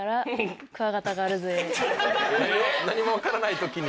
何もわからない時に。